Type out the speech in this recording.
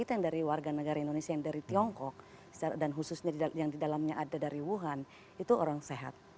yang di dalamnya ada dari wuhan itu orang sehat